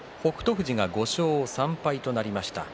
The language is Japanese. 富士が５勝３敗となりました。